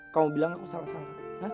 kamu bilang aku salah sangkar